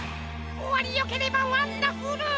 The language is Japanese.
おわりよければワンダフル！